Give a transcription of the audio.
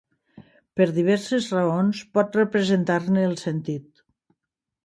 per diverses raons pot representar-ne el sentit